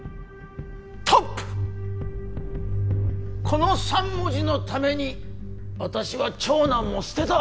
この３文字のために私は長男も捨てた。